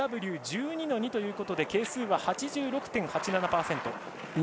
ＬＷ１２−２ということで係数は８６．８７％。